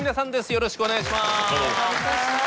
よろしくお願いします。